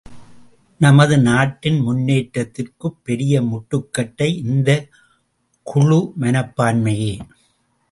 நமது நாட்டின் முன்னேற்றத்திற்குப் பெரிய முட்டுக்கட்டை இந்தக் குழு மனப்பான்மையே!